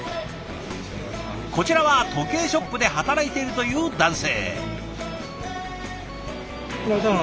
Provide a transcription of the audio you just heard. こちらは時計ショップで働いているという男性。